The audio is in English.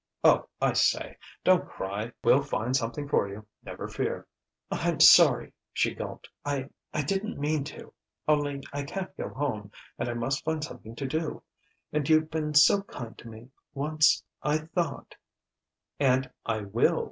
"Oh, I say! Don't cry we'll find something for you, never fear!" "I'm sorry," she gulped. "I I didn't mean to.... Only, I can't go home, and I must find something to do, and you'd been so kind to me, once, I thought " "And I will!"